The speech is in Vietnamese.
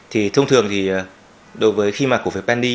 thì thông thường thì đối với khi mà cổ phiếu bendy